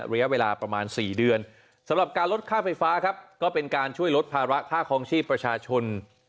ระยะเวลาประมาณ๔เดือนสำหรับการลดค่าไฟฟ้าครับก็เป็นการช่วยลดภาระค่าคลองชีพประชาชน